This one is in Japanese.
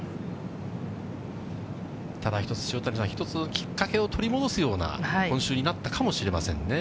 ただ、一つ塩谷さん、一つのきっかけを取り戻すような今週になったかもしれませんね。